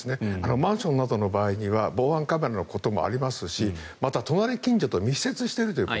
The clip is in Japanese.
マンションなどの場合には防犯カメラのこともありますしまた、隣近所と密接しているということ。